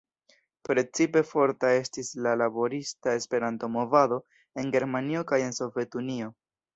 Precipe forta estis la laborista Esperanto-movado en Germanio kaj en Sovetunio.